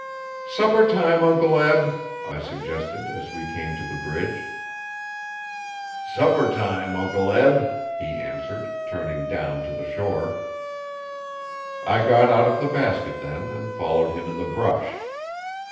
'Supper time, Uncle Eb,' I suggested, as we came to the bridge. 'Supper time, Uncle Eb,' he answered, turning down to the shore. I got out of the basket then and followed him in the brush.